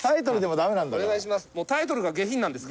お願いします。